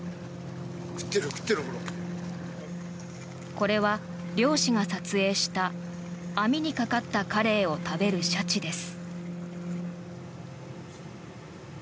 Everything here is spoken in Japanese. これは、漁師が撮影した網にかかったカレイを食べるシャチです。